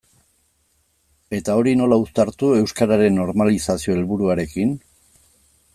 Eta hori nola uztartu euskararen normalizazio helburuarekin?